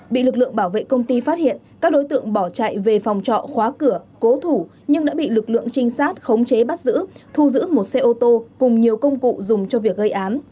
bị lực lượng bảo vệ công ty phát hiện các đối tượng bỏ chạy về phòng trọ khóa cửa cố thủ nhưng đã bị lực lượng trinh sát khống chế bắt giữ thu giữ một xe ô tô cùng nhiều công cụ dùng cho việc gây án